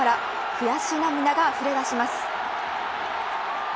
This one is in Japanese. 悔し涙があふれ出します。